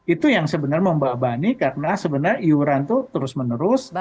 itu yang sebenarnya membebani karena sebenarnya iuran itu terus menerus